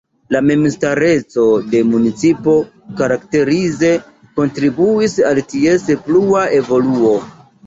La memstareco de municipo karakterize kontribuis al ties plua evoluo.